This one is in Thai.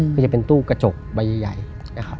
ก็จะเป็นตู้กระจกใบใหญ่นะครับ